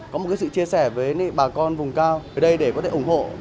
có một sự chia sẻ với bà con vùng cao về đây để có thể ủng hộ